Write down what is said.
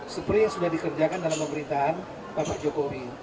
seperti yang sudah dikerjakan dalam pemerintahan bapak jokowi